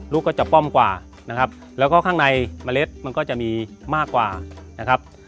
ลูกก็จะป้อมกว่านะครับแล้วก็ข้างในเมล็ดมันก็จะมีมากกว่านะครับ